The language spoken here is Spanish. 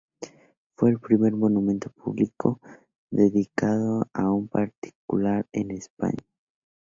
Fue el primer monumento público dedicado a un particular en España.